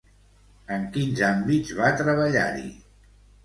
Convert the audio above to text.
En quins àmbits va treballar-hi?